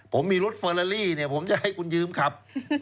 ผมมีรถเฟอร์ลาลี่เนี่ยผมจะให้คุณยืมขับ